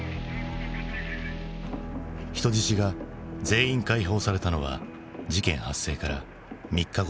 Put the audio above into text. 人質が全員解放されたのは事件発生から３日後だった。